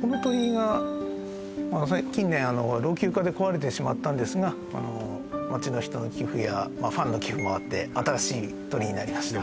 この鳥居が近年老朽化で壊れてしまったんですが町の人の寄付やファンの寄付もあって新しい鳥居になりました